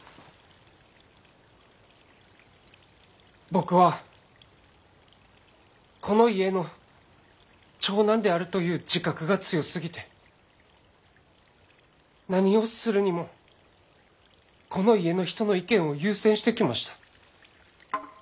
僕はこの家の長男であるという自覚が強すぎて何をするにもこの家の人の意見を優先してきました。